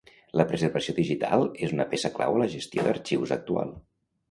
La preservació digital és una peça clau a la gestió d’arxius actual.